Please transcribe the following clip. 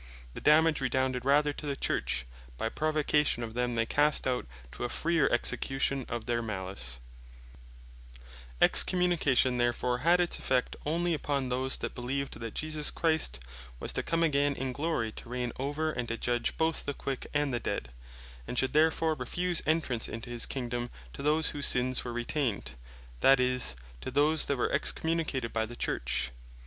The dammage redounded rather to the Church, by provocation of them they cast out, to a freer execution of their malice. But Upon The Faithfull Only Excommunication therefore had its effect onely upon those, that beleeved that Jesus Christ was to come again in Glory, to reign over, and to judge both the quick, and the dead, and should therefore refuse entrance into his Kingdom, to those whose Sins were Retained; that is, to those that were Excommunicated by the Church.